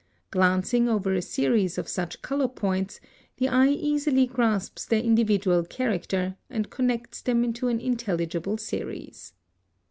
Glancing over a series of such color points, the eye easily grasps their individual character, and connects them into an intelligible series.